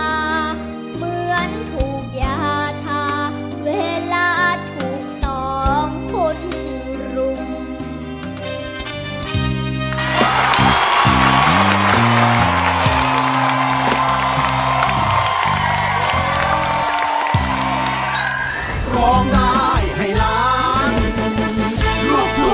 เหมือนถูกยาชาเวลาถูกสองคนรุม